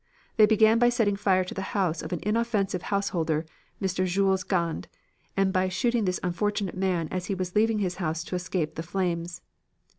They began by setting fire to the house of an inoffensive householder, M. Jules Gand, and by shooting this unfortunate man as he was leaving his house to escape the flames.